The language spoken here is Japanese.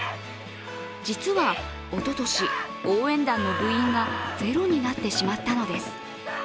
実は、おととし、応援団の部員がゼロになってしまったのです。